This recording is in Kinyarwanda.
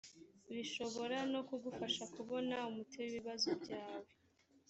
bishobora no kugufasha kubona umuti w ibibazo byawe